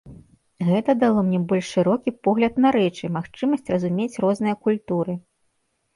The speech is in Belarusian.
Гэта дало мне больш шырокі погляд на рэчы, магчымасць разумець розныя культуры.